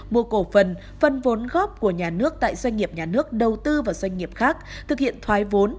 mua cổ phần phần vốn góp của nhà nước tại doanh nghiệp nhà nước đầu tư vào doanh nghiệp khác thực hiện thoái vốn